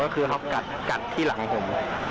กัดที่หลังผม